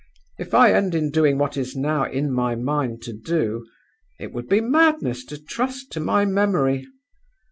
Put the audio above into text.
If I end in doing what it is now in my mind to do, it would be madness to trust to my memory.